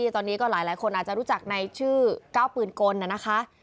ตอนนี้ก็หลายคนอาจจะรู้จักในชื่อก้าวปืนกลนะคะ